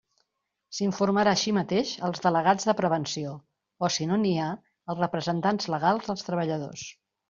S'informarà així mateix als delegats de prevenció o si no n'hi ha als representants legals dels treballadors.